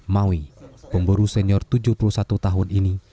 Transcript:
maui pemburu senior tujuh puluh satu tahun ini